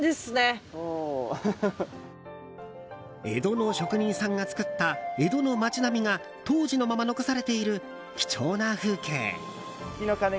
江戸の職人さんが造った江戸の街並みが当時のまま残されている貴重な風景。